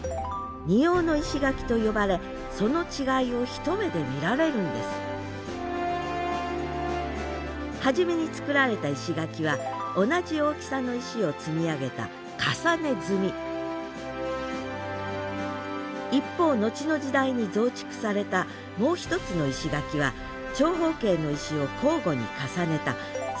二様の石垣と呼ばれその違いを一目で見られるんです初めに作られた石垣は同じ大きさの石を積み上げた重ね積み一方の後の時代に増築されたもう一つの石垣は長方形の石を交互に重ねた算木積みという積み方。